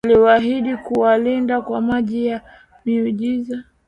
Aliwaahidi kuwalinda kwa maji ya miujiza